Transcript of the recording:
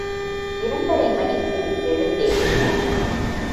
இரண்டரை மணிக்கு எழுந்தேன்.